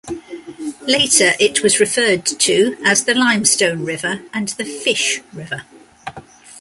Later it was referred to as the Limestone River, and the Fish River.